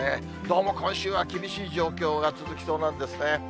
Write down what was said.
どうも今週は厳しい状況が続きそうなんですね。